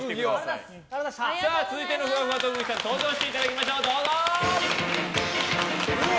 続いてのふわふわ特技さん登場していただきます。